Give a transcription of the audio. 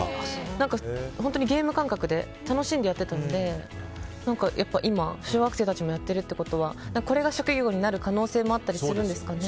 本当にゲーム感覚で楽しんでやってたので今、小学生たちもやってるってことはこれが職業になる可能性もあったりするんですかね。